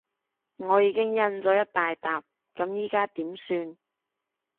我已經印咗一大疊，噉而家點算？